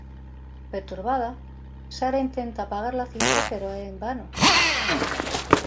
Perturbada, Sarah intenta apagar la cinta pero es en vano.